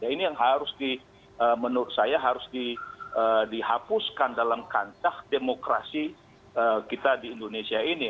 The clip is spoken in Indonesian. ini yang harus di menurut saya harus dihapuskan dalam kancah demokrasi kita di indonesia ini